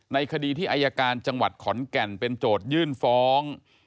ในคดีที่อายการจังหวัดขอนแก่นเป็นโจทยื่นฟ้อง